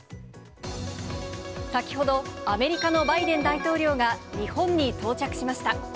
先ほど、アメリカのバイデン大統領が日本に到着しました。